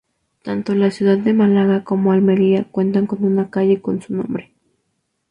Tanto la ciudad de Málaga como Almería cuentan con una calle con su nombre.